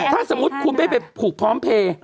ถ้าสมมุติคุณไม่ไปผูกพร้อมเพลย์